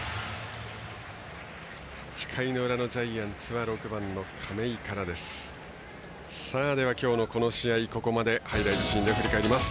８回の裏のジャイアンツは６番の亀井からです。